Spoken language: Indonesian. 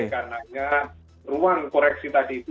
karena ruang koreksi tadi itu